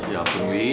ya ampun wi